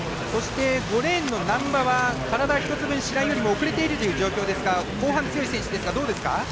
５レーンの難波は体１つ分白井よりも遅れているという状況ですが後半に強い選手ですがどうですか？